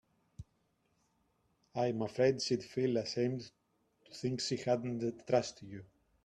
I'm afraid she'd feel ashamed to think she hadn't trusted you.